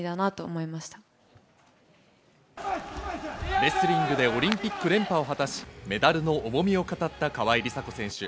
レスリングでオリンピック連覇を果たし、メダルの重みを語った川井梨紗子選手。